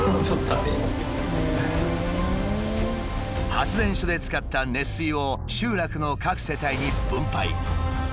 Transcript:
発電所で使った熱水を集落の各世帯に分配。